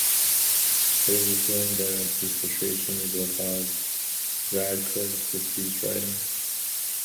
It is assumed that this frustration is what caused Radcliffe to cease writing.